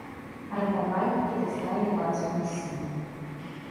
Ратавальнікі дасталі бацьку і сына.